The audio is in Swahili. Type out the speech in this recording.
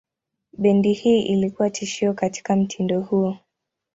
Bendi hii ilikuwa tishio katika mtindo huo.